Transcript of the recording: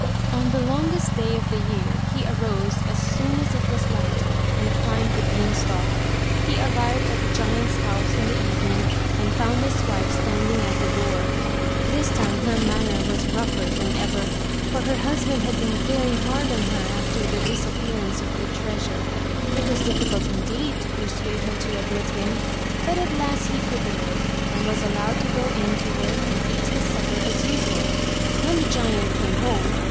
On the longest day of the year he arose as soon as it was light and climbed the beanstalk. He arrived at the giant's house in the evening and found his wife standing at the door. This time her manner was rougher than ever, for her husband had been very hard on her after the disappearance of the treasure It was difficult indeed to persuade her to admit him. But at last he prevailed and was allowed to go in to work and eat his supper as usual. When the giant came home.